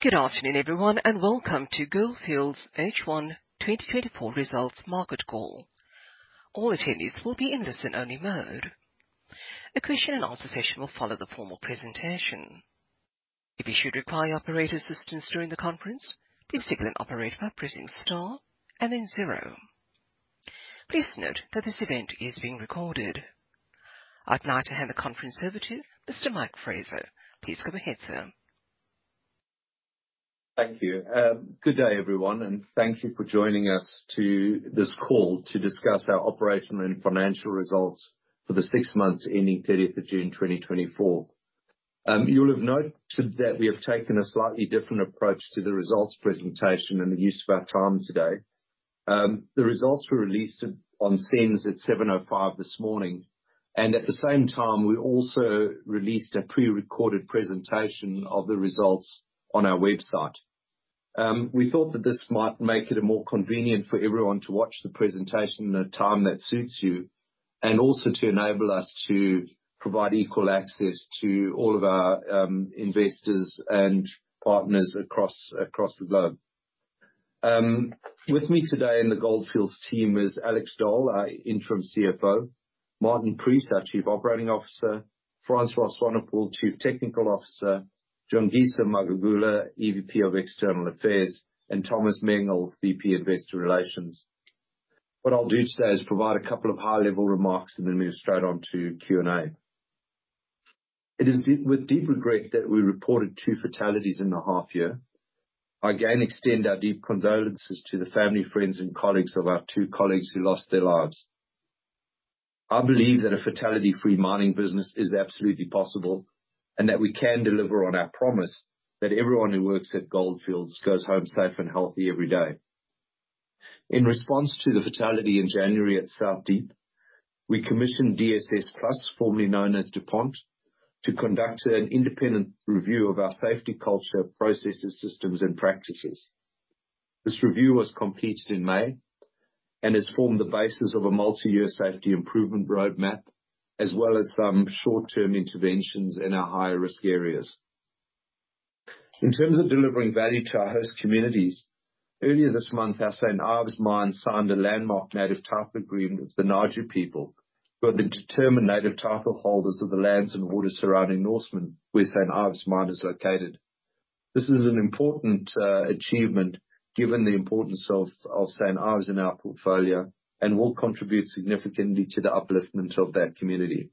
Good afternoon, everyone, and welcome to Gold Fields' H1 2024 Results Market Call. All attendees will be in listen-only mode. A question and answer session will follow the formal presentation. If you should require operator assistance during the conference, please signal an operator by pressing star and then zero. Please note that this event is being recorded. I'd now like to hand the conference over to Mr. Mike Fraser. Please go ahead, sir. Thank you. Good day, everyone, and thank you for joining us to this call to discuss our operational and financial results for the six months ending 30 June 2024. You'll have noted that we have taken a slightly different approach to the results presentation and the use of our time today. The results were released at, on SENS at 7:05 A.M. this morning, and at the same time, we also released a pre-recorded presentation of the results on our website. We thought that this might make it more convenient for everyone to watch the presentation at a time that suits you, and also to enable us to provide equal access to all of our investors and partners across the globe. With me today in the Gold Fields team is Alex Dall, our Interim CFO, Martin Preece, our Chief Operating Officer, Francois Swanepoel, Chief Technical Officer, Jongisa Magagula, EVP of External Affairs, and Thomas Mengel, VP of Investor Relations. What I'll do today is provide a couple of high-level remarks and then move straight on to Q&A. It is with deep regret that we reported two fatalities in the half year. I again extend our deep condolences to the family, friends, and colleagues of our two colleagues who lost their lives. I believe that a fatality-free mining business is absolutely possible, and that we can deliver on our promise that everyone who works at Gold Fields goes home safe and healthy every day. In response to the fatality in January at South Deep, we commissioned DSS Plus, formerly known as DuPont, to conduct an independent review of our safety culture, processes, systems, and practices. This review was completed in May and has formed the basis of a multi-year safety improvement roadmap, as well as some short-term interventions in our higher risk areas. In terms of delivering value to our host communities, earlier this month, our St. Ives mine signed a landmark Native Title agreement with the Ngaju people, who are the determined native title holders of the lands and waters surrounding Norseman, where St. Ives mine is located. This is an important achievement, given the importance of St. Ives in our portfolio, and will contribute significantly to the upliftment of that community.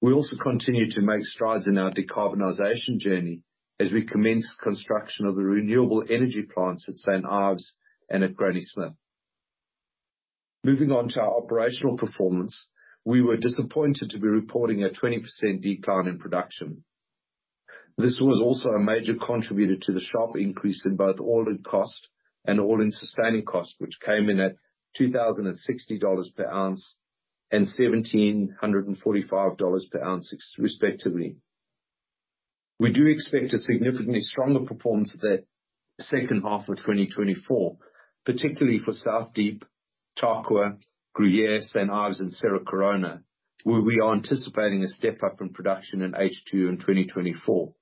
We also continue to make strides in our decarbonization journey as we commence construction of the renewable energy plants at St. Ives and at Granny Smith. Moving on to our operational performance, we were disappointed to be reporting a 20% decline in production. This was also a major contributor to the sharp increase in both all-in cost and all-in sustaining cost, which came in at $2,060 per ounce and $1,745 per ounce, respectively. We do expect a significantly stronger performance for the second half of 2024, particularly for South Deep, Tarkwa, Gruyere, St. Ives, and Cerro Corona, where we are anticipating a step-up in production in H2 in 2024.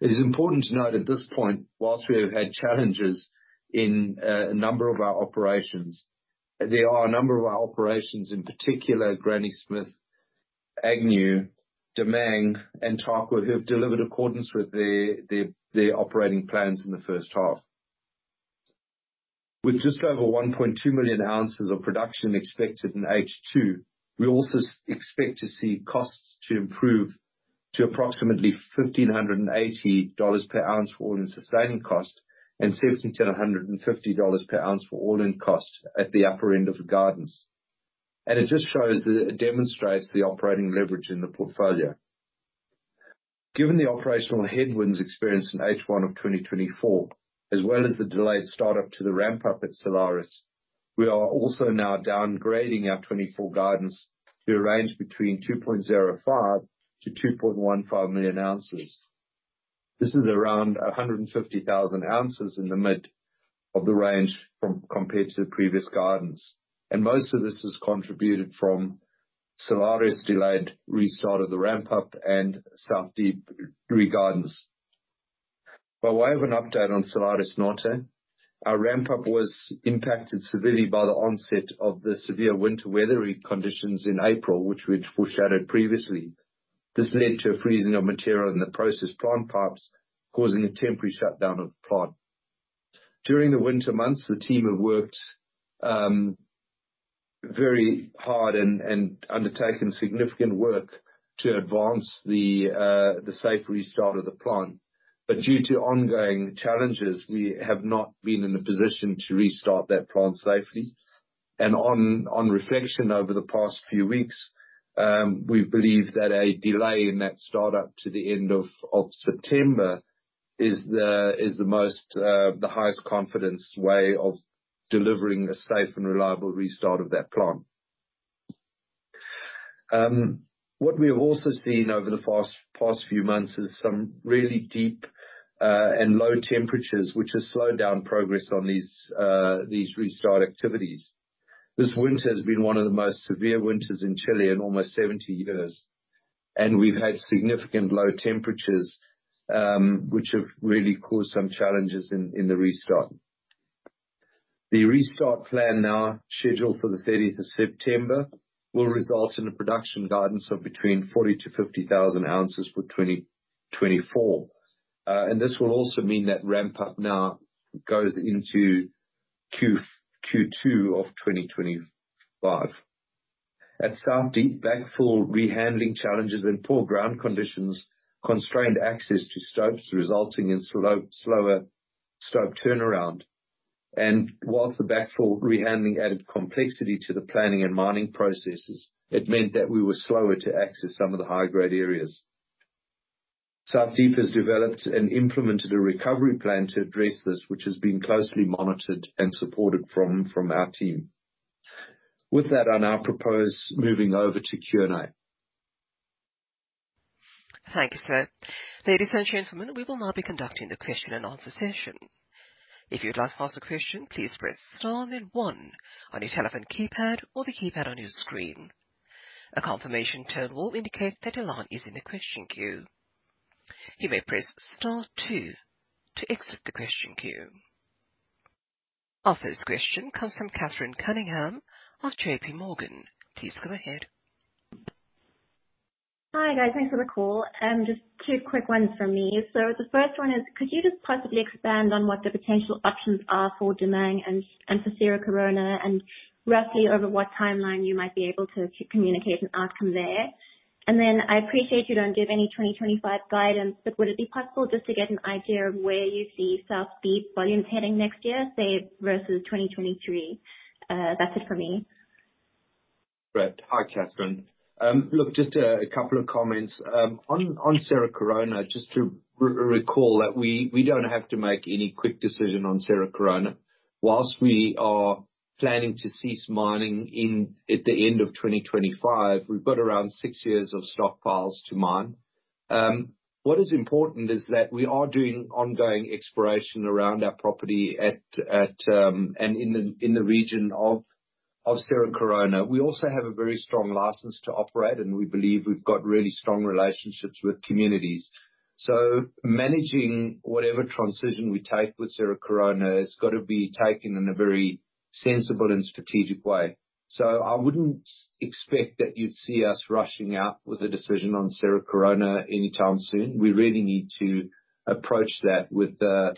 It is important to note, at this point, while we have had challenges in a number of our operations, there are a number of our operations, in particular, Granny Smith, Agnew, Damang, and Tarkwa, who have delivered in accordance with their operating plans in the first half. With just over 1.2 million ounces of production expected in H2, we also expect to see costs to improve to approximately $1,580 per ounce for all-in sustaining cost, and $1,750 per ounce for all-in cost at the upper end of the guidance. It just shows that it demonstrates the operating leverage in the portfolio. Given the operational headwinds experienced in H1 of 2024, as well as the delayed start-up to the ramp-up at Salares Norte, we are also now downgrading our 2024 guidance to a range between 2.05-2.15 million ounces. This is around 150,000 ounces in the mid of the range compared to the previous guidance, and most of this is contributed from Salares Norte's delayed restart of the ramp-up and South Deep regardless. By way of an update on Salares Norte, our ramp-up was impacted severely by the onset of the severe winter weather conditions in April, which we'd foreshadowed previously. This led to a freezing of material in the process plant pipes, causing a temporary shutdown of the plant. During the winter months, the team have worked very hard and undertaken significant work to advance the safe restart of the plant. But due to ongoing challenges, we have not been in a position to restart that plant safely. And on reflection, over the past few weeks, we believe that a delay in that start-up to the end of September is the highest confidence way of delivering a safe and reliable restart of that plant. What we have also seen over the past few months is some really deep and low temperatures, which has slowed down progress on these restart activities. This winter has been one of the most severe winters in Chile in almost 70 years, and we've had significant low temperatures, which have really caused some challenges in the restart. The restart plan, now scheduled for the thirtieth of September, will result in a production guidance of between 40 to 50 thousand ounces for 2024. This will also mean that ramp-up now goes into Q2 of 2025. At South Deep, backfill rehandling challenges and poor ground conditions constrained access to stopes, resulting in slower stope turnaround. Whilst the backfill rehandling added complexity to the planning and mining processes, it meant that we were slower to access some of the high-grade areas. South Deep has developed and implemented a recovery plan to address this, which is being closely monitored and supported from our team. With that, I now propose moving over to Q&A. Thank you, sir. Ladies and gentlemen, we will now be conducting the question and answer session. If you'd like to ask a question, please press star then one on your telephone keypad or the keypad on your screen. A confirmation tone will indicate that your line is in the question queue. You may press star two to exit the question queue. Our first question comes from Catherine Cunningham of J.P. Morgan. Please go ahead. Hi, guys. Thanks for the call. Just two quick ones from me, so the first one is, could you just possibly expand on what the potential options are for Damang and for Cerro Corona, and roughly over what timeline you might be able to communicate an outcome there, and then, I appreciate you don't give any 2025 guidance, but would it be possible just to get an idea of where you see South Deep volumes heading next year, say, versus 2023? That's it for me. Great. Hi, Catherine. Look, just a couple of comments. On Cerro Corona, just to recall that we don't have to make any quick decision on Cerro Corona. Whilst we are planning to cease mining at the end of 2025, we've got around six years of stockpiles to mine. What is important is that we are doing ongoing exploration around our property at and in the region of Cerro Corona. We also have a very strong license to operate, and we believe we've got really strong relationships with communities. So managing whatever transition we take with Cerro Corona has got to be taken in a very sensible and strategic way. So I wouldn't expect that you'd see us rushing out with a decision on Cerro Corona anytime soon. We really need to approach that with a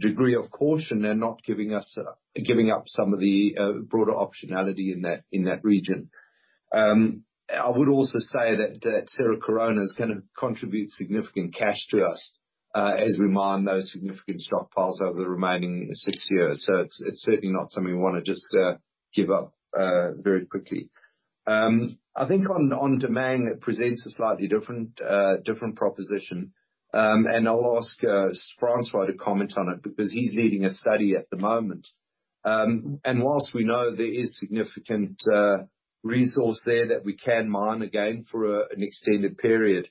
degree of caution, and not giving up some of the broader optionality in that region. I would also say that Cerro Corona is gonna contribute significant cash to us, as we mine those significant stockpiles over the remaining six years, so it's certainly not something we wanna just give up very quickly. I think on Damang, it presents a slightly different proposition, and I'll ask Francois to comment on it, because he's leading a study at the moment. And whilst we know there is significant resource there that we can mine again for an extended period,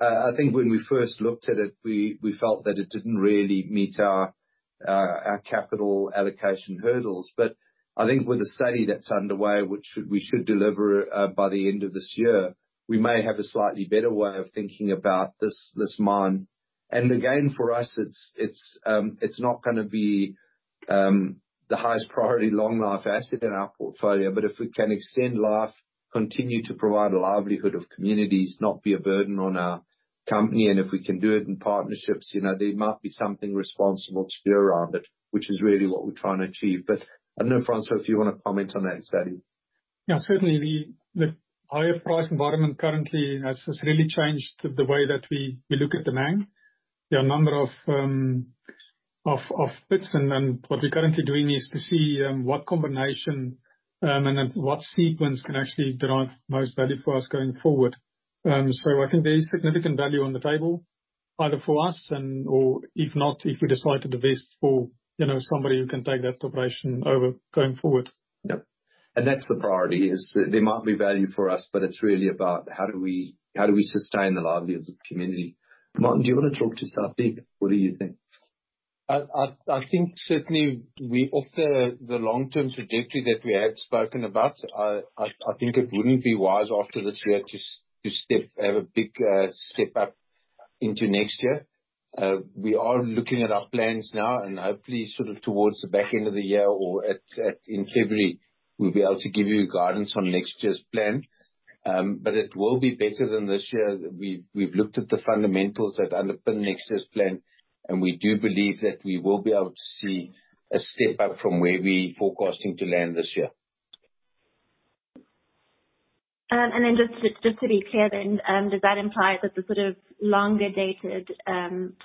I think when we first looked at it, we felt that it didn't really meet our capital allocation hurdles. But I think with the study that's underway, which we should deliver by the end of this year, we may have a slightly better way of thinking about this mine. And again, for us, it's not gonna be the highest priority long-life asset in our portfolio, but if we can extend life, continue to provide a livelihood of communities, not be a burden on our company, and if we can do it in partnerships, you know, there might be something responsible to do around it, which is really what we're trying to achieve. But I don't know, Francois, if you want to comment on that study? Yeah, certainly the higher price environment currently has really changed the way that we look at Damang. There are a number of bits, and what we're currently doing is to see what combination and then what sequence can actually derive most value for us going forward. So I think there is significant value on the table, either for us or if not, if we decide to divest for, you know, somebody who can take that operation over going forward. Yep. And that's the priority, is, there might be value for us, but it's really about how do we, how do we sustain the livelihoods of the community? Martin, do you want to talk to South Deep? What do you think? I think certainly we're off the long-term trajectory that we had spoken about. I think it wouldn't be wise after this year to have a big step up into next year. We are looking at our plans now, and hopefully sort of towards the back end of the year or at, in February, we'll be able to give you guidance on next year's plan. But it will be better than this year. We've looked at the fundamentals that underpin next year's plan, and we do believe that we will be able to see a step up from where we're forecasting to land this year. And then just to be clear then, does that imply that the sort of longer-dated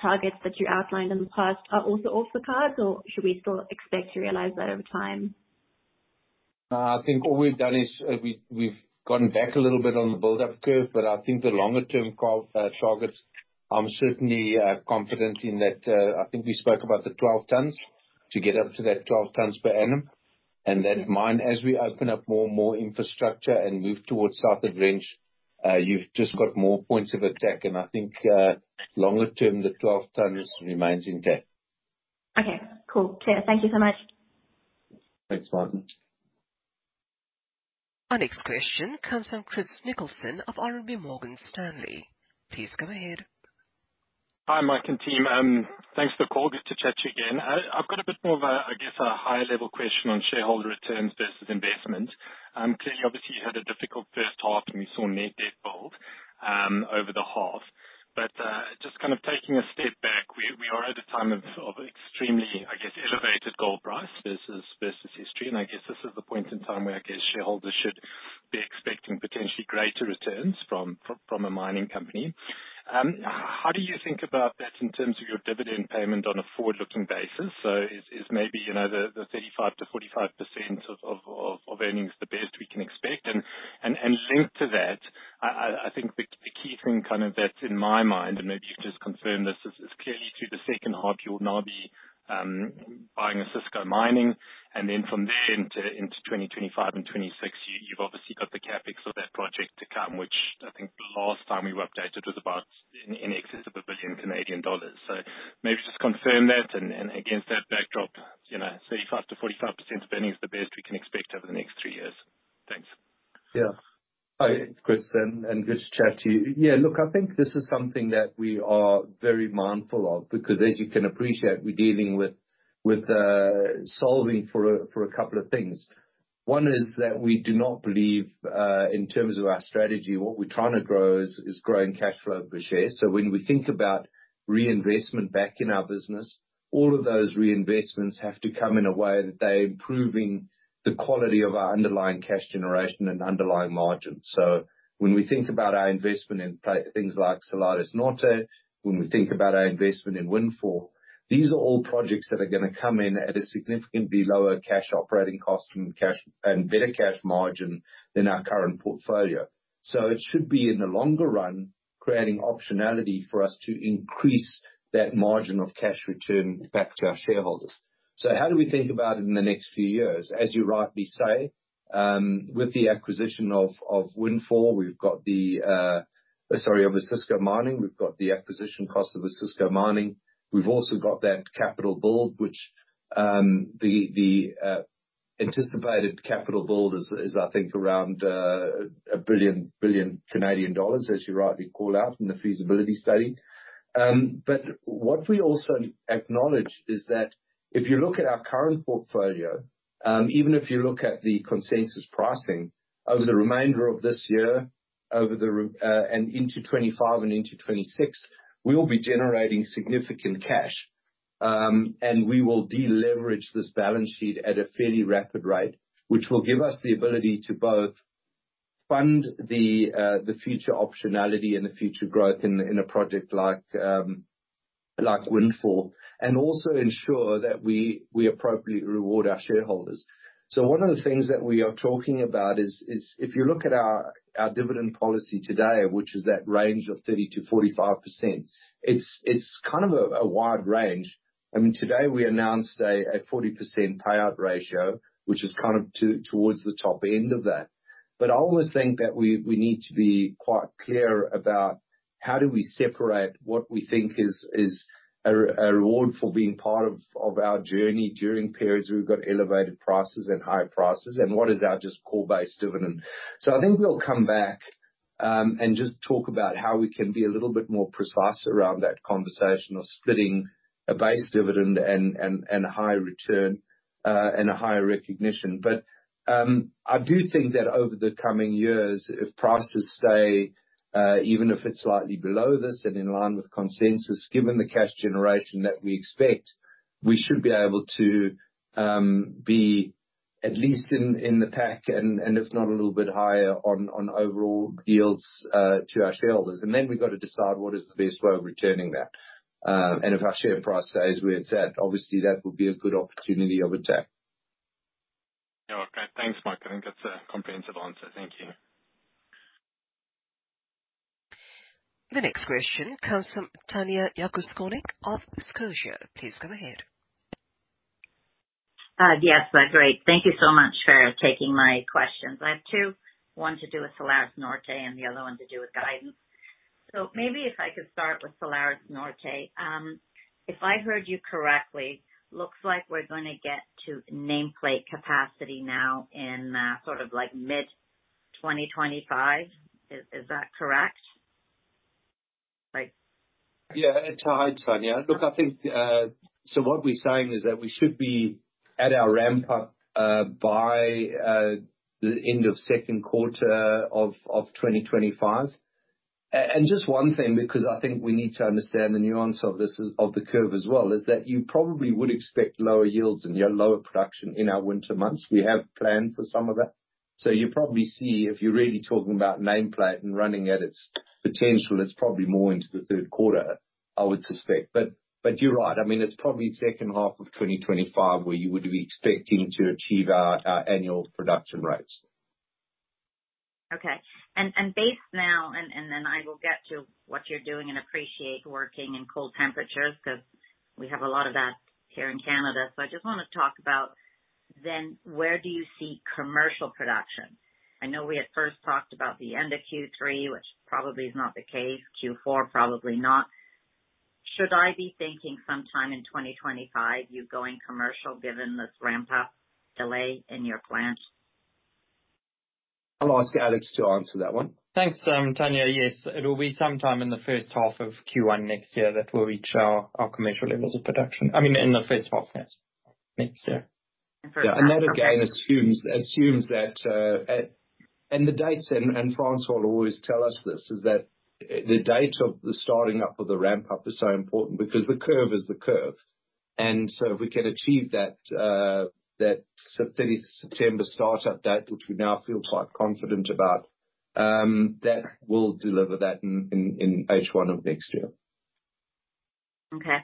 targets that you outlined in the past are also off the cards, or should we still expect to realize that over time? I think all we've done is we've gone back a little bit on the buildup curve, but I think the longer-term targets. I'm certainly confident in that. I think we spoke about the twelve tons, to get up to that twelve tons per annum. And that mine, as we open up more and more infrastructure and move towards South of Range, you've just got more points of attack. And I think longer term, the twelve tons remains intact.... Okay, cool. Clear. Thank you so much. Thanks, Martin. Our next question comes from Chris Nicholson of RMB Morgan Stanley. Please go ahead. Hi, Mike and team. Thanks for the call. Good to chat to you again. I've got a bit more of a, I guess, a high-level question on shareholder returns versus investment. Clearly, obviously, you had a difficult first half, and we saw net debt grew over the half. But, just kind of taking a step back, we are at a time of extremely, I guess, elevated gold price versus history, and I guess this is the point in time where I guess shareholders should be expecting potentially greater returns from a mining company. How do you think about that in terms of your dividend payment on a forward-looking basis? So is maybe, you know, the 35-45% of earnings the best we can expect? Linked to that, I think the key thing, kind of, that's in my mind, and maybe you've just confirmed this, is clearly to the second half. You will now be buying Osisko Mining. And then from then into 2025 and 2026, you've obviously got the CapEx of that project to come, which I think the last time we were updated was about in excess of 1 billion Canadian dollars. So maybe just confirm that, and against that backdrop, you know, 35%-45% spending is the best we can expect over the next three years. Thanks. Yeah. Hi, Chris, and good to chat to you. Yeah, look, I think this is something that we are very mindful of, because as you can appreciate, we're dealing with solving for a couple of things. One is that we do not believe, in terms of our strategy, what we're trying to grow is growing cash flow per share. So when we think about reinvestment back in our business, all of those reinvestments have to come in a way that they're improving the quality of our underlying cash generation and underlying margins. So when we think about our investment in things like Salares Norte, when we think about our investment in Windfall, these are all projects that are gonna come in at a significantly lower cash operating cost and better cash margin than our current portfolio. So it should be, in the longer run, creating optionality for us to increase that margin of cash return back to our shareholders. So how do we think about it in the next few years? As you rightly say, with the acquisition of Windfall, we've got the... Sorry, of the Osisko Mining, we've got the acquisition cost of the Osisko Mining. We've also got that capital build, which the anticipated capital build is, I think, around 1 billion Canadian dollars, as you rightly call out in the feasibility study. But what we also acknowledge is that if you look at our current portfolio, even if you look at the consensus pricing, over the remainder of this year, and into 2025 and into 2026, we will be generating significant cash. And we will de-leverage this balance sheet at a fairly rapid rate, which will give us the ability to both fund the future optionality and the future growth in a project like Windfall, and also ensure that we appropriately reward our shareholders. So one of the things that we are talking about is if you look at our dividend policy today, which is that range of 30%-45%, it's kind of a wide range. I mean, today we announced a 40% payout ratio, which is kind of towards the top end of that. But I always think that we need to be quite clear about how do we separate what we think is a reward for being part of our journey during periods we've got elevated prices and high prices, and what is our just core base dividend? So I think we'll come back and just talk about how we can be a little bit more precise around that conversation of splitting a base dividend and a higher return and a higher recognition. But I do think that over the coming years, if prices stay even if it's slightly below this and in line with consensus, given the cash generation that we expect, we should be able to be at least in the pack, and if not a little bit higher on overall yields to our shareholders. And then we've got to decide what is the best way of returning that. And if our share price stays where it's at, obviously that would be a good opportunity of attack. No. Okay. Thanks, Mike. I think that's a comprehensive answer. Thank you. The next question comes from Tanya Jakusconek of Scotia. Please go ahead. Yes, great. Thank you so much for taking my questions. I have two. One to do with Salares Norte and the other one to do with guidance. So maybe if I could start with Salares Norte. If I heard you correctly, looks like we're gonna get to nameplate capacity now in sort of like mid-2025. Is that correct? Yeah, it's hard, Tanya. Look, I think. So what we're saying is that we should be at our ramp up by the end of Q2 of 2025. And just one thing, because I think we need to understand the nuance of this, of the curve as well, is that you probably would expect lower yields and lower production in our winter months. We have planned for some of that. So you'll probably see, if you're really talking about nameplate and running at its potential, it's probably more into the Q3, I would suspect. But you're right. I mean, it's probably second half of 2025 where you would be expecting to achieve our annual production rates. Okay. And based now, then I will get to what you're doing and appreciate working in cold temperatures, 'cause we have a lot of that here in Canada. So I just want to talk about. Then where do you see commercial production? I know we at first talked about the end of Q3, which probably is not the case. Q4, probably not. Should I be thinking sometime in 2025, you going commercial, given this ramp-up delay in your plant? I'll ask Alex to answer that one. Thanks, Tanya. Yes, it will be sometime in the first half of Q1 next year that we'll reach our commercial levels of production. I mean, in the first half, yes, next year. Yeah, and that, again, assumes that and the dates, and Francois will always tell us this, is that the date of the starting up of the ramp-up is so important, because the curve is the curve. And so if we can achieve that, that 30th September startup date, which we now feel quite confident about, that will deliver that in H1 of next year. Okay.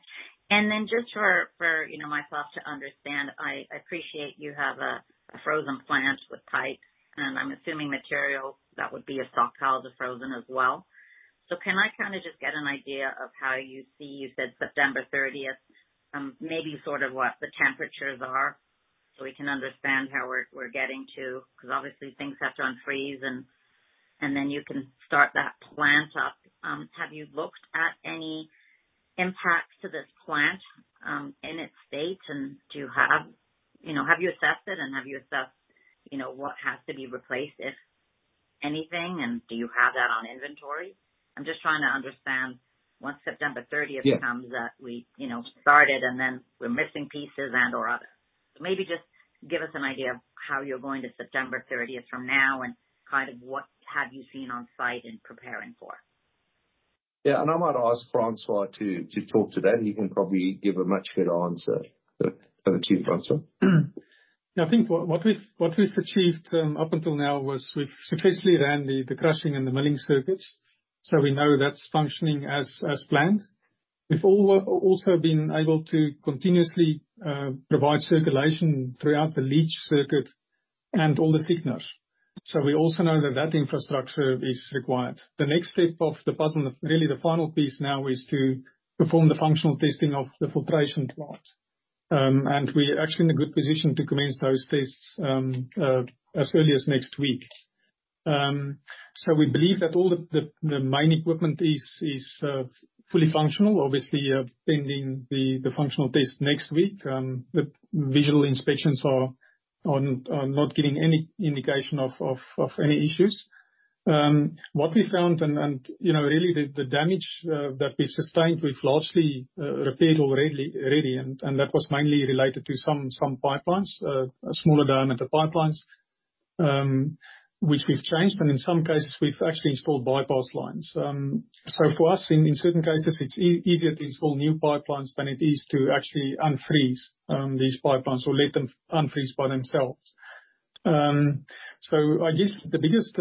And then just for you know myself to understand, I appreciate you have a frozen plant with pipes, and I'm assuming material that would be a stockpile is frozen as well. So can I kind of just get an idea of how you see, you said September thirtieth, maybe sort of what the temperatures are, so we can understand how we're getting to... 'Cause obviously, things have to unfreeze, and then you can start that plant up. Have you looked at any impacts to this plant in its state? And do you, you know, have you assessed it, and, you know, what has to be replaced, if anything, and do you have that on inventory? I'm just trying to understand, once September thirtieth- Yeah comes, that we, you know, started, and then we're missing pieces and/or other. Maybe just give us an idea of how you're going to September thirtieth from now, and kind of what have you seen on site and preparing for. Yeah, and I might ask Francois to talk to that. He can probably give a much better answer. Over to you, Francois. I think what we've achieved up until now was we've successfully ran the crushing and the milling circuits, so we know that's functioning as planned. We've also been able to continuously provide circulation throughout the leach circuit and all the thickeners. So we also know that infrastructure is required. The next step of the puzzle, really the final piece now, is to perform the functional testing of the filtration plant, and we're actually in a good position to commence those tests as early as next week. So we believe that all the main equipment is fully functional, obviously, pending the functional test next week. The visual inspections are not giving any indication of any issues. What we found, and you know, really the damage that we've sustained, we've largely repaired already, and that was mainly related to some pipelines, smaller diameter pipelines, which we've changed, but in some cases, we've actually installed bypass lines. So for us, in certain cases, it's easier to install new pipelines than it is to actually unfreeze these pipelines or let them unfreeze by themselves. So I guess the biggest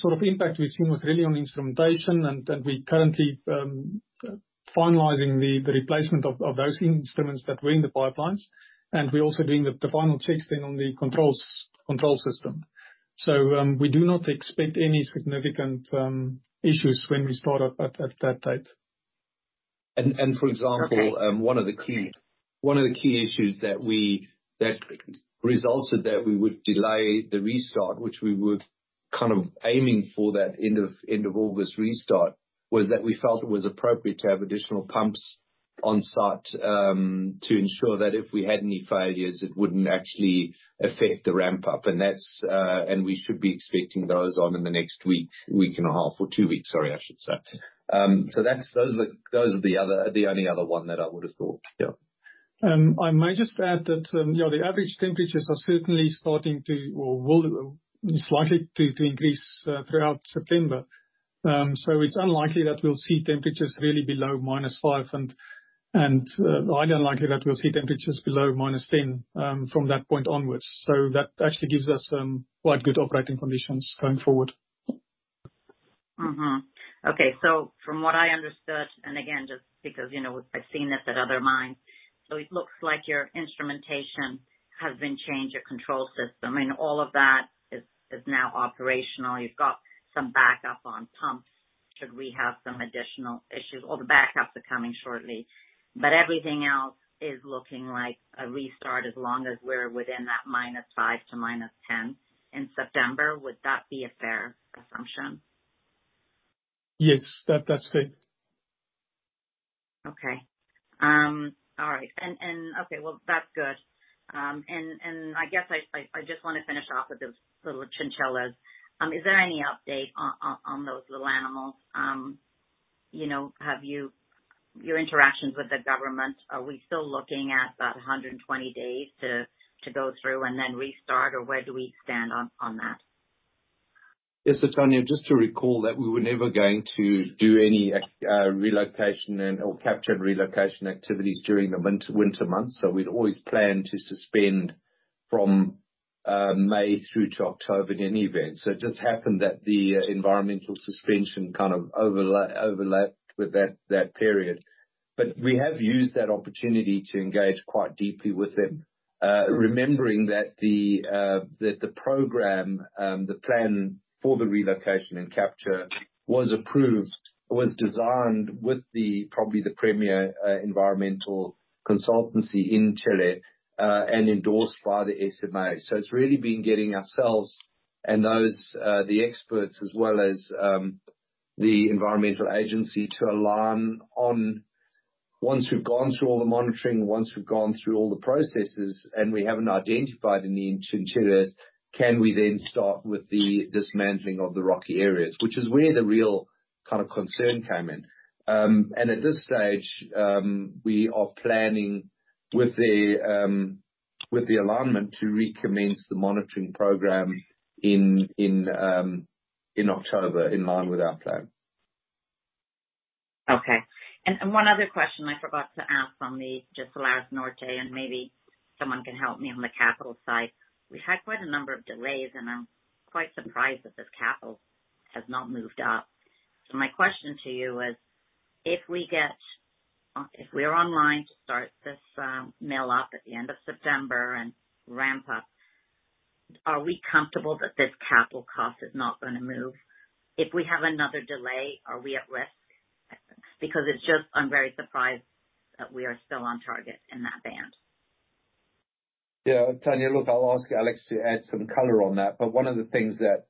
sort of impact we've seen was really on instrumentation, and we're currently finalizing the replacement of those instruments that were in the pipelines, and we're also doing the final testing on the control system. So we do not expect any significant issues when we start up at that date. For example- Okay One of the key issues that resulted in the delay of the restart, which we were kind of aiming for that end of August restart, was that we felt it was appropriate to have additional pumps on site to ensure that if we had any failures, it would not actually affect the ramp-up. That is, we should be expecting those on in the next week, week and a half, or two weeks, sorry, I should say. Those are the only other ones that I would have thought. Yeah. I might just add that, you know, the average temperatures are certainly starting to, or will, is likely to, to increase throughout September. So it's unlikely that we'll see temperatures really below minus five, and highly unlikely that we'll see temperatures below minus 10 from that point onwards. So that actually gives us quite good operating conditions going forward. Okay, so from what I understood, and again, just because, you know, I've seen this at other mines, so it looks like your instrumentation has been changed, your control system, and all of that is now operational. You've got some backup on pumps should we have some additional issues, or the backups are coming shortly. But everything else is looking like a restart, as long as we're within that minus five to minus 10 in September. Would that be a fair assumption? Yes. That, that's fair. Okay. All right, and okay, well, that's good, and I guess I just wanna finish off with the little chinchillas. Is there any update on those little animals? You know, have you... Your interactions with the government, are we still looking at that hundred and twenty days to go through and then restart, or where do we stand on that? Yes, so Tanya, just to recall that we were never going to do any relocation and/or capture and relocation activities during the winter months, so we'd always planned to suspend from May through to October in any event. So it just happened that the environmental suspension kind of overlapped with that period. But we have used that opportunity to engage quite deeply with them, remembering that the program, the plan for the relocation and capture was approved, was designed with the probably the premier environmental consultancy in Chile and endorsed by the SMA. So it's really been getting ourselves-... And those, the experts as well as, the environmental agency to align on, once we've gone through all the monitoring, once we've gone through all the processes, and we haven't identified any chinchillas, can we then start with the dismantling of the rocky areas? Which is where the real kind of concern came in. And at this stage, we are planning with the alignment to recommence the monitoring program in October, in line with our plan. Okay. And one other question I forgot to ask on just Salares Norte, and maybe someone can help me on the capital side. We've had quite a number of delays, and I'm quite surprised that this capital has not moved up. So my question to you is: If we get, if we're online to start this mill up at the end of September and ramp up, are we comfortable that this capital cost is not gonna move? If we have another delay, are we at risk? Because it's just, I'm very surprised that we are still on target in that band. Yeah, Tanya, look, I'll ask Alex to add some color on that. But one of the things that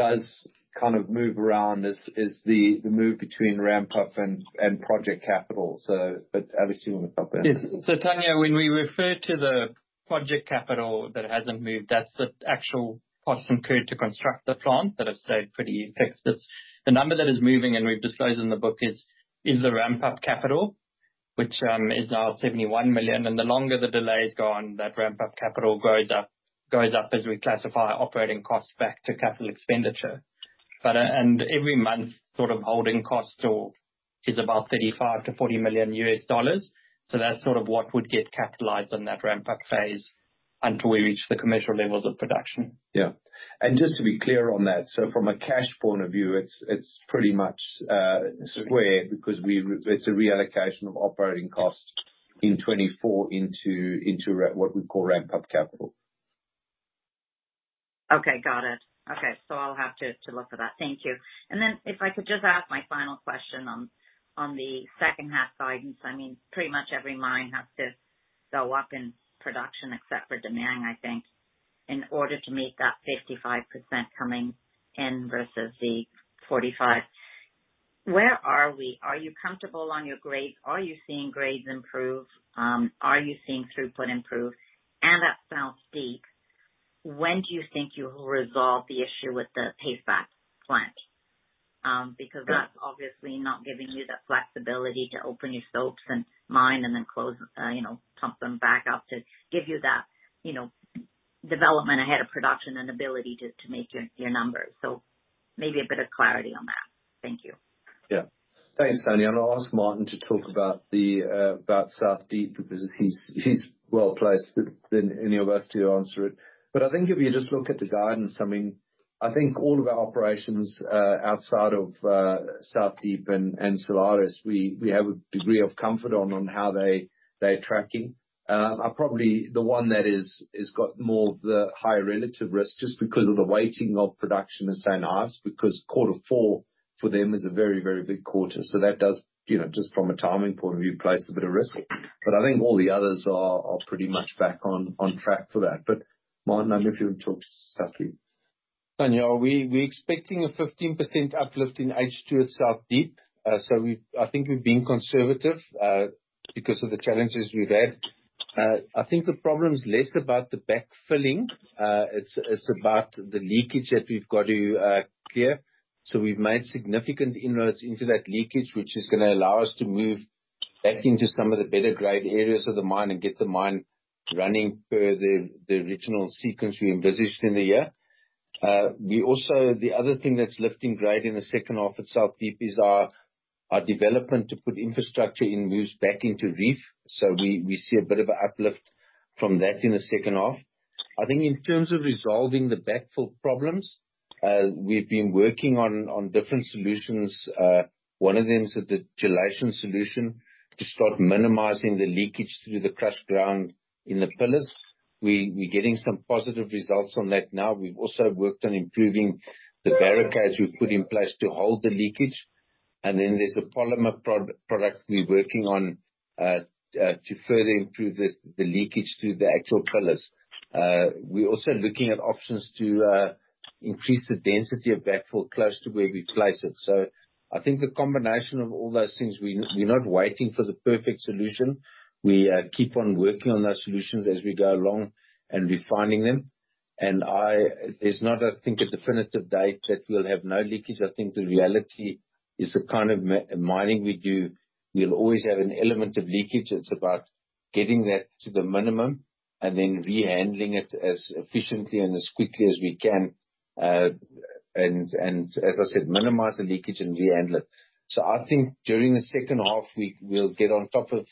does kind of move around is the move between ramp up and project capital. So, but Alex, you wanna pop in? Yes. So, Tanya, when we refer to the project capital that hasn't moved, that's the actual cost incurred to construct the plant, that has stayed pretty fixed. It's the number that is moving, and we've disclosed in the book, is the ramp-up capital, which is now $71 million. And the longer the delays go on, that ramp-up capital goes up, goes up as we classify operating costs back to capital expenditure. But. And every month, sort of holding cost or, is about $35-40 million. So that's sort of what would get capitalized on that ramp-up phase until we reach the commercial levels of production. Yeah. And just to be clear on that, so from a cash point of view, it's pretty much square, because it's a reallocation of operating costs in 2024 into what we call ramp-up capital. Okay, got it. Okay, so I'll have to look for that. Thank you. And then if I could just ask my final question on the second half guidance. I mean, pretty much every mine has to go up in production, except for Damang, I think, in order to meet that 55% coming in versus the 45. Where are we? Are you comfortable on your grades? Are you seeing grades improve? Are you seeing throughput improve? And at South Deep, when do you think you will resolve the issue with the backfill plant? Because- Yeah... that's obviously not giving you the flexibility to open your stopes and mine and then close, you know, pump them back up to give you that, you know, development ahead of production and ability to make your numbers. So maybe a bit of clarity on that. Thank you. Yeah. Thanks, Tanya. I'll ask Martin to talk about South Deep, because he's better placed than any of us to answer it. But I think if you just look at the guidance, I mean, I think all of our operations outside of South Deep and Salares Norte, we have a degree of comfort on how they're tracking. Probably the one that has got more of the higher relative risk, just because of the weighting of production in St Ives, because Quarter Four for them is a very, very big quarter. So that does, you know, just from a timing point of view, place a bit of risk. But I think all the others are pretty much back on track for that. But Martin, I don't know if you would talk South Deep. Tanya, we're expecting a 15% uplift in H2 at South Deep. So I think we've been conservative because of the challenges we've had. I think the problem is less about the backfilling. It's about the leakage that we've got to clear. So we've made significant inroads into that leakage, which is gonna allow us to move back into some of the better grade areas of the mine and get the mine running per the original sequence we envisaged in the year. We also, the other thing that's lifting grade in the second half at South Deep is our development to put infrastructure in moves back into reef. So we see a bit of an uplift from that in the second half. I think in terms of resolving the backfill problems, we've been working on different solutions. One of them is a gelation solution to start minimizing the leakage through the crushed ground in the pillars. We're getting some positive results from that now. We've also worked on improving the barricades we've put in place to hold the leakage. And then there's a polymer product we're working on to further improve the leakage through the actual pillars. We're also looking at options to increase the density of backfill close to where we place it. So I think the combination of all those things, we're not waiting for the perfect solution. We keep on working on those solutions as we go along and refining them. And there's not, I think, a definitive date that we'll have no leakage. I think the reality is the kind of mining we do, we'll always have an element of leakage. It's about getting that to the minimum and then rehandling it as efficiently and as quickly as we can, and as I said, minimize the leakage and rehandle it, so I think during the second half, we'll get on top of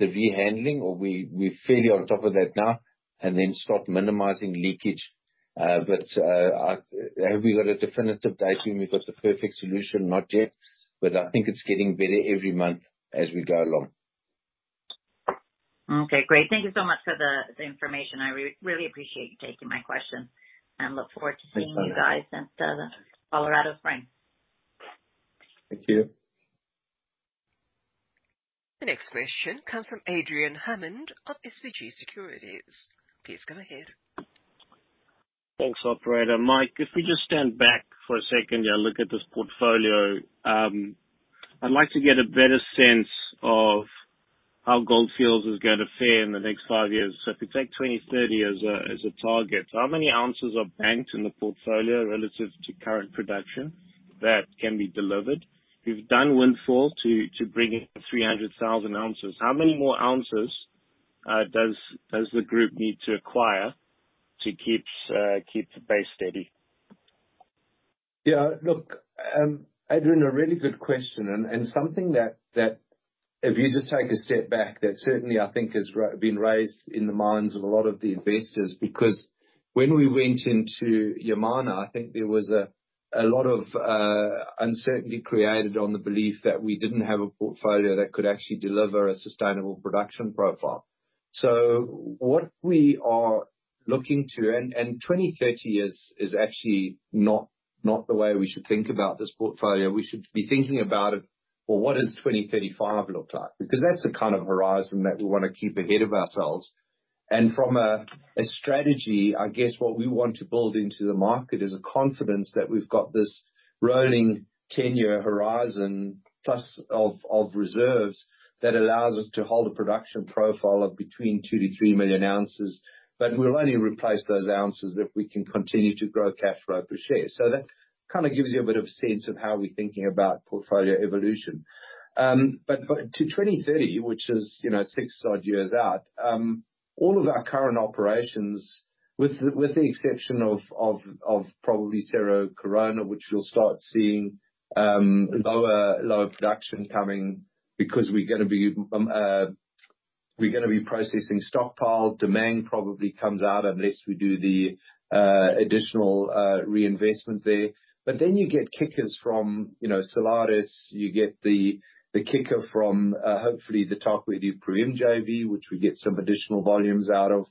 the rehandling, or we're fairly on top of that now, and then start minimizing leakage. But have we got a definitive date when we've got the perfect solution? Not yet, but I think it's getting better every month as we go along. Okay, great. Thank you so much for the information. I really appreciate you taking my questions, and look forward to seeing- Thanks, Tanya... you guys at the Colorado Springs. Thank you. ... The next question comes from Adrian Hammond of SBG Securities. Please go ahead. Thanks, operator. Mike, if we just stand back for a second and look at this portfolio, I'd like to get a better sense of how Gold Fields is gonna fare in the next five years. So if you take 2030 as a target, how many ounces are banked in the portfolio relative to current production that can be delivered? You've done Windfall to bring in 300,000 ounces. How many more ounces does the group need to acquire to keep the base steady? Yeah, look, Adrian, a really good question, and something that, if you just take a step back, that certainly I think has been raised in the minds of a lot of the investors, because when we went into Yamana, I think there was a lot of uncertainty created on the belief that we didn't have a portfolio that could actually deliver a sustainable production profile. So what we are looking to. And 2030 is actually not the way we should think about this portfolio. We should be thinking about it, well, what does 2035 look like? Because that's the kind of horizon that we wanna keep ahead of ourselves. And from a strategy, I guess what we want to build into the market is a confidence that we've got this rolling ten-year horizon plus of reserves that allows us to hold a production profile of between two to three million ounces. But we'll only replace those ounces if we can continue to grow cash flow per share, so that kind of gives you a bit of a sense of how we're thinking about portfolio evolution, but to 2030, which is, you know, six odd years out, all of our current operations, with the exception of probably Cerro Corona, which you'll start seeing lower production coming because we're gonna be processing stockpile. Damang probably comes out unless we do the additional reinvestment there. But then you get kickers from, you know, Salares Norte. You get the kicker from hopefully the Tarkwa-Iduapriem JV, which we get some additional volumes out of,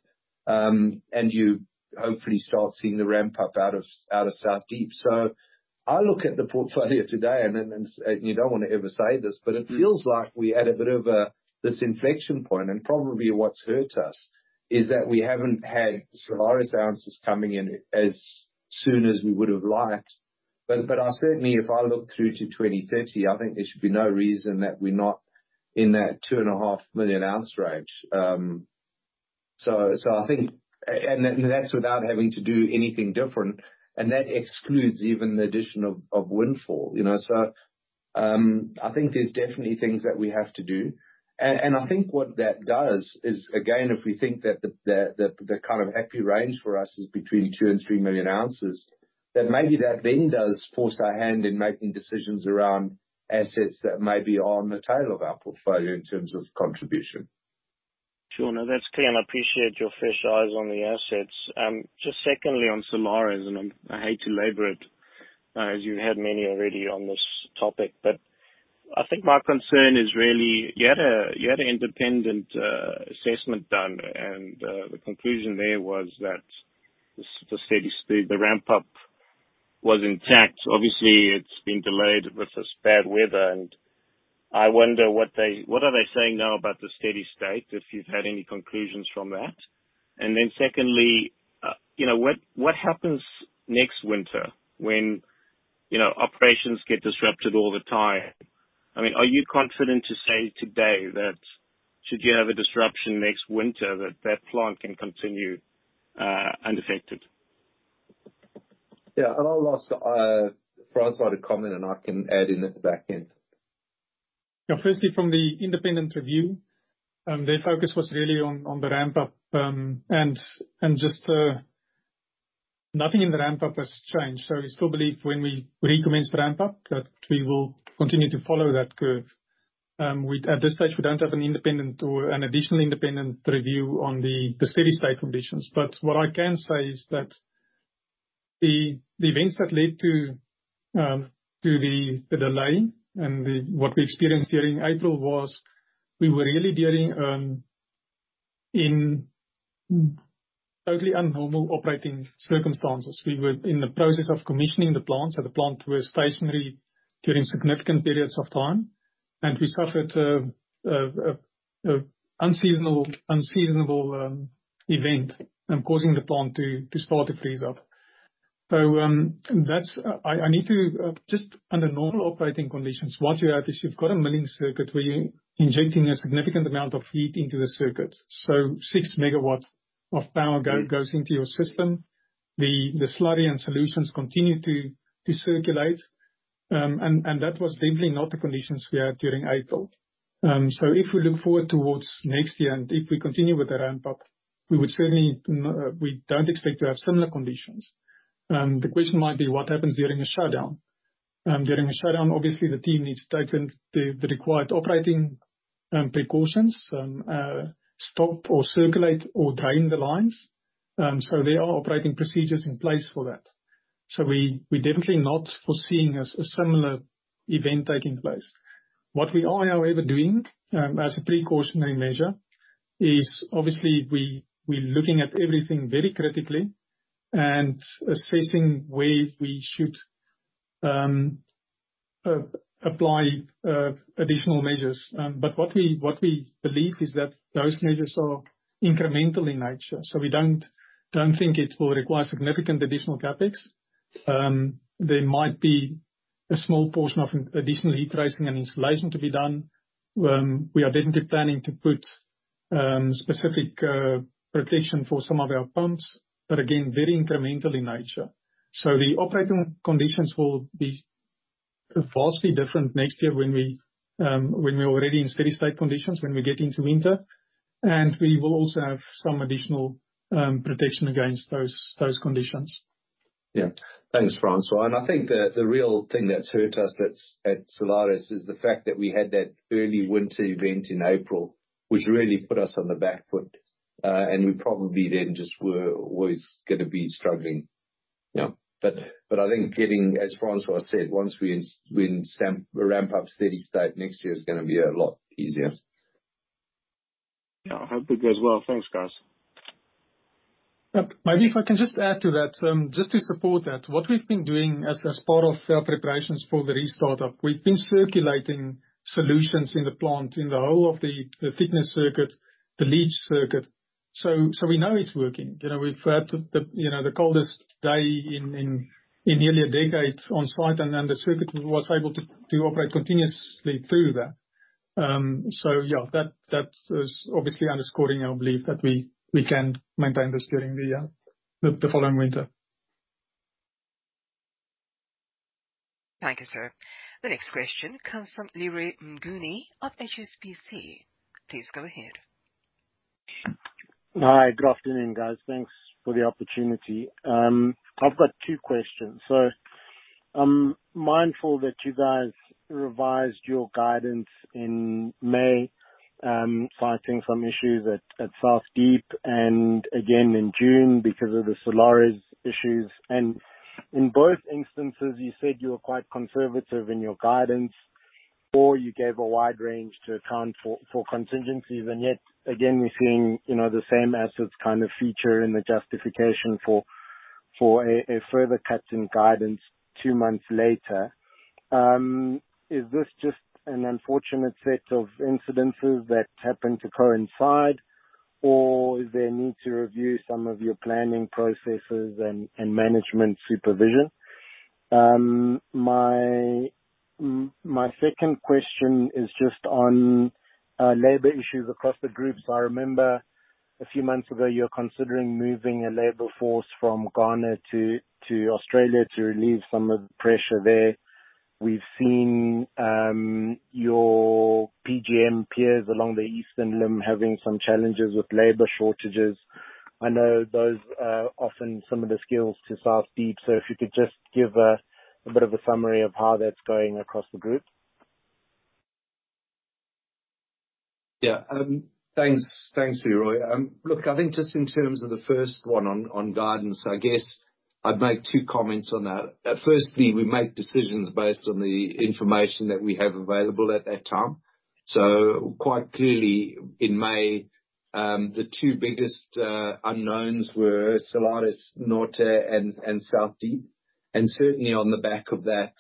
and you hopefully start seeing the ramp up out of South Deep. So I look at the portfolio today, and you don't want to ever say this, but it feels like we had a bit of this inflection point. And probably what's hurt us is that we haven't had Salares Norte ounces coming in as soon as we would've liked. But I certainly, if I look through to 2030, I think there should be no reason that we're not in that two and a half million ounce range. So I think. And then, that's without having to do anything different, and that excludes even the addition of Windfall, you know? So, I think there's definitely things that we have to do. And I think what that does is, again, if we think that the kind of happy range for us is between two and three million ounces, that maybe that then does force our hand in making decisions around assets that may be on the tail of our portfolio in terms of contribution. Sure. No, that's clear, and I appreciate your fresh eyes on the assets. Just secondly, on Salares Norte, and I hate to labor it, as you've had many already on this topic, but I think my concern is really, you had an independent assessment done, and the conclusion there was that the steady, the ramp up was intact. Obviously, it's been delayed with this bad weather, and I wonder what they... what are they saying now about the steady state, if you've had any conclusions from that? And then secondly, you know, what happens next winter when, you know, operations get disrupted all the time? I mean, are you confident to say today that should you have a disruption next winter, that that plant can continue unaffected? Yeah, and I'll ask Francois to comment, and I can add in at the back end. Yeah, firstly, from the independent review, their focus was really on the ramp up, and just nothing in the ramp up has changed, so we still believe when we recommence the ramp up that we will continue to follow that curve. At this stage, we don't have an independent or an additional independent review on the steady state conditions. But what I can say is that the events that led to the delay and what we experienced during April was we were really dealing in totally unusual operating circumstances. We were in the process of commissioning the plant, so the plant was stationary during significant periods of time, and we suffered an unseasonable event causing the plant to start to freeze up. So, that's... Just under normal operating conditions, what you have is you've got a milling circuit where you're injecting a significant amount of heat into the circuit. So six megawatts of power goes into your system. The slurry and solutions continue to circulate, and that was simply not the conditions we had during April. So if we look forward towards next year, and if we continue with the ramp up, we would certainly we don't expect to have similar conditions. The question might be, what happens during a shutdown? During a shutdown, obviously the team needs to take the required operating precautions, stop or circulate or drain the lines, so there are operating procedures in place for that. So we're definitely not foreseeing a similar event taking place. What we are, however, doing as a precautionary measure is obviously we're looking at everything very critically and assessing where we should apply additional measures. But what we believe is that those measures are incremental in nature, so we don't think it will require significant additional CapEx. There might be a small portion of additional heat tracing and installation to be done. We are definitely planning to put specific protection for some of our pumps, but again, very incremental in nature. So the operating conditions will be vastly different next year when we're already in steady-state conditions, when we get into winter, and we will also have some additional protection against those conditions. Yeah. Thanks, Francois. And I think the real thing that's hurt us at Salares Norte is the fact that we had that early winter event in April, which really put us on the back foot. And we probably then just were gonna be struggling. Yeah, but I think getting, as Francois said, once we ramp up steady state, next year is gonna be a lot easier. Yeah, I hope it goes well. Thanks, guys. Yep. Maybe if I can just add to that. Just to support that, what we've been doing as part of our preparations for the restartup, we've been circulating solutions in the plant, in the whole of the thickeners circuit, the leach circuit, so we know it's working. You know, we've had the you know, the coldest day in nearly a decade on site, and then the circuit was able to to operate continuously through that. So yeah, that is obviously underscoring our belief that we can maintain this during the following winter. Thank you, sir. The next question comes from Leroy Mnguni of HSBC. Please go ahead. Hi, good afternoon, guys. Thanks for the opportunity. I've got two questions. So I'm mindful that you guys revised your guidance in May, citing some issues at South Deep, and again in June because of the Salares Norte issues. And in both instances, you said you were quite conservative in your guidance, or you gave a wide range to account for contingencies. And yet, again, we're seeing, you know, the same assets kind of feature in the justification for a further cut in guidance two months later. Is this just an unfortunate set of incidents that happen to coincide, or is there a need to review some of your planning processes and management supervision? My second question is just on labor issues across the groups. I remember a few months ago, you were considering moving a labor force from Ghana to Australia to relieve some of the pressure there. We've seen your PGM peers along the eastern limb having some challenges with labor shortages. I know those are often some of the skills to South Deep, so if you could just give a bit of a summary of how that's going across the group. Yeah. Thanks, thanks, Leroy. Look, I think just in terms of the first one on guidance, I guess I'd make two comments on that. Firstly, we make decisions based on the information that we have available at that time. So quite clearly, in May, the two biggest unknowns were Salares Norte and South Deep. And certainly on the back of that,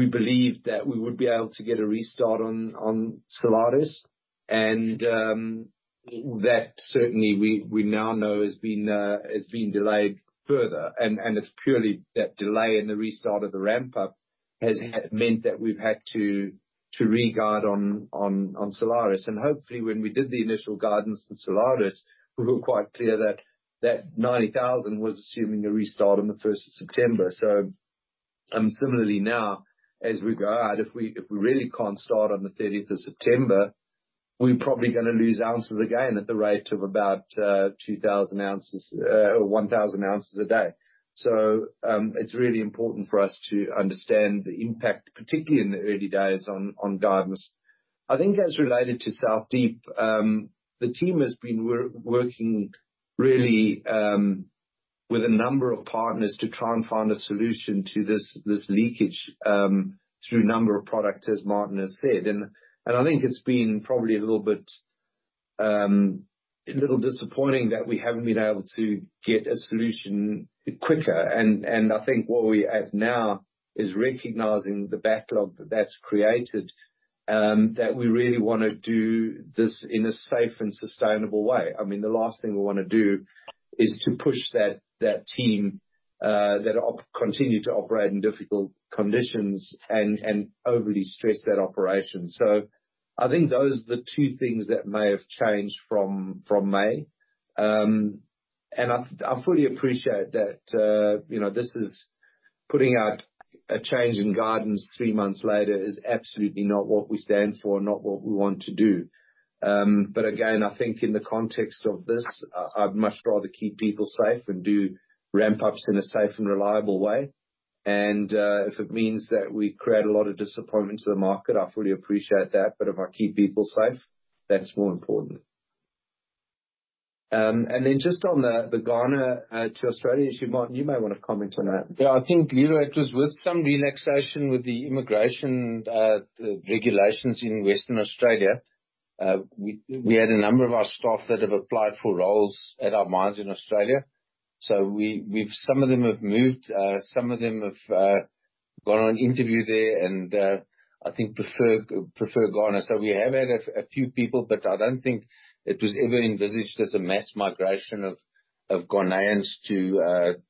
we believed that we would be able to get a restart on Salares Norte, and that certainly we now know has been delayed further. And it's purely that delay in the restart of the ramp-up has meant that we've had to re-guide on Salares Norte. And hopefully, when we did the initial guidance on Salares Norte, we were quite clear that ninety thousand was assuming a restart on the first of September. Similarly now, as we go out, if we really can't start on the thirtieth of September, we're probably gonna lose ounces again at the rate of about 2,000 ounces or 1,000 ounces a day. It's really important for us to understand the impact, particularly in the early days, on guidance. I think as related to South Deep, the team has been working really with a number of partners to try and find a solution to this leakage through a number of products, as Martin has said. I think it's been probably a little bit disappointing that we haven't been able to get a solution quicker. I think where we're at now is recognizing the backlog that that's created, that we really wanna do this in a safe and sustainable way. I mean, the last thing we wanna do is to push that team continue to operate in difficult conditions and overly stress that operation. I think those are the two things that may have changed from May. And I fully appreciate that, you know, this is putting out a change in guidance three months later is absolutely not what we stand for, not what we want to do. But again, I think in the context of this, I'd much rather keep people safe and do ramp-ups in a safe and reliable way. And, if it means that we create a lot of disappointment to the market, I fully appreciate that, but if I keep people safe, that's more important. And then just on the Ghana to Australia issue, Martin, you may want to comment on that. Yeah. I think, Leroy, it was with some relaxation with the immigration regulations in Western Australia. ... We had a number of our staff that have applied for roles at our mines in Australia. So we've some of them have moved, some of them have gone on interview there, and I think prefer Ghana. So we have had a few people, but I don't think it was ever envisaged as a mass migration of Ghanaians to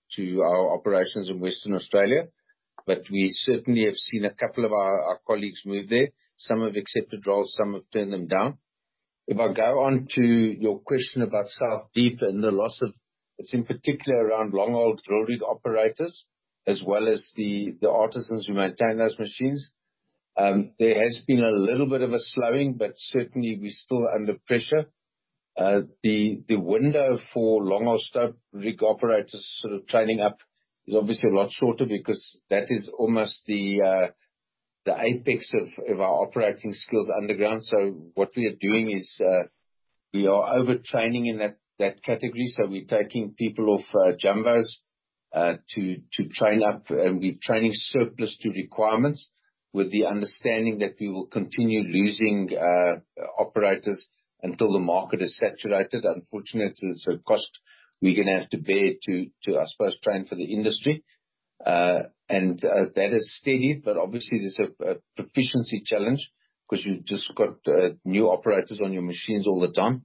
our operations in Western Australia. But we certainly have seen a couple of our colleagues move there. Some have accepted roles, some have turned them down. If I go on to your question about South Deep and the loss of, it's in particular around longhole drilling operators, as well as the artisans who maintain those machines. There has been a little bit of a slowing, but certainly we're still under pressure. The window for longhole stope rig operators sort of training up is obviously a lot shorter, because that is almost the apex of our operating skills underground. So what we are doing is we are over-training in that category, so we're taking people off jumbos to train up, and we're training surplus to requirements, with the understanding that we will continue losing operators until the market is saturated. Unfortunately, it's a cost we're gonna have to bear to, I suppose, train for the industry. And that is steady, but obviously there's a proficiency challenge, 'cause you've just got new operators on your machines all the time.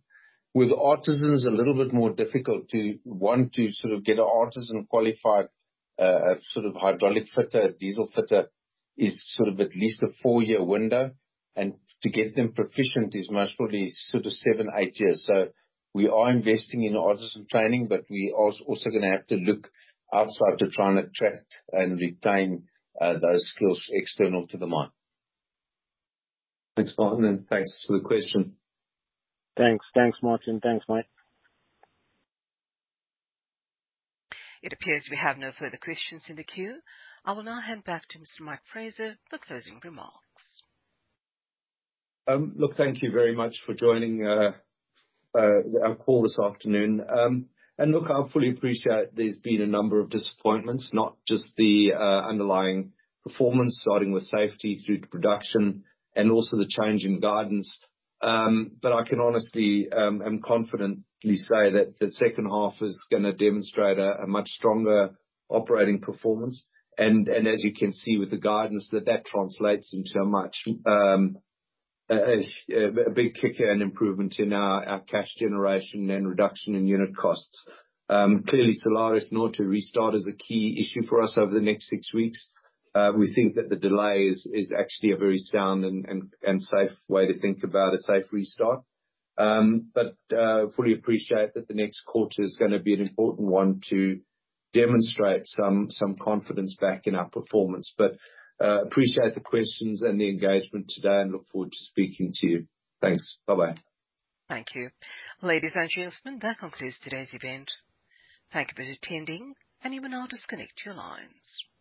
With artisans, a little bit more difficult to one, to sort of get an artisan qualified, sort of hydraulic fitter, diesel fitter, is sort of at least a four-year window, and to get them proficient is most probably sort of seven, eight years, so we are investing in artisan training, but we also gonna have to look outside to try and attract and retain those skills external to the mine. Thanks, Martin, and thanks for the question. Thanks. Thanks, Martin. Thanks, Mike. It appears we have no further questions in the queue. I will now hand back to Mr. Mike Fraser for closing remarks. Look, thank you very much for joining our call this afternoon. I fully appreciate there's been a number of disappointments, not just the underlying performance, starting with safety through to production, and also the change in guidance. But I can honestly and confidently say that the second half is gonna demonstrate a much stronger operating performance. And as you can see with the guidance, that translates into a much bigger kicker and improvement in our cash generation and reduction in unit costs. Clearly, Salares Norte's restart is a key issue for us over the next six weeks. We think that the delay is actually a very sound and safe way to think about a safe restart. Fully appreciate that the next quarter is gonna be an important one to demonstrate some confidence back in our performance. Appreciate the questions and the engagement today, and look forward to speaking to you. Thanks. Bye-bye. Thank you. Ladies and gentlemen, that concludes today's event. Thank you for attending, and you may now disconnect your lines.